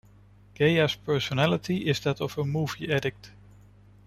Gaea's personality is that of a movie addict.